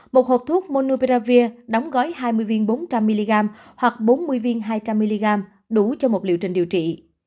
một hộp thuốc monupravir đóng gói hai mươi viên bốn trăm linh mg hoặc bốn mươi viên hai trăm linh mg đủ cho một liệu trình điều trị